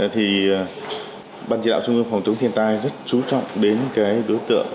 thì ban chỉ đạo trung ương phòng chống thiên tai rất chú trọng đến cái đối tượng